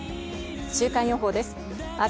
週間予報です。